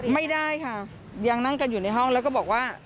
ไม่ได้ค่ะยังนั่งกันอยู่ในห้องแล้วก็บอกว่า